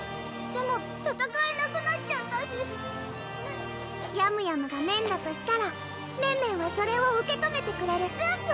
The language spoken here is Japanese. でも戦えなくなっちゃったしヤムヤムが麺だとしたらメンメンはそれを受け止めてくれるスープ！